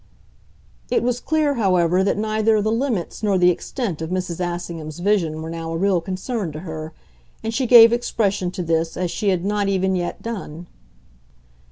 It was clear, however, that neither the limits nor the extent of Mrs. Assingham's vision were now a real concern to her, and she gave expression to this as she had not even yet done.